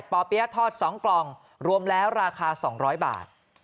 เปี๊ยะทอด๒กล่องรวมแล้วราคา๒๐๐บาท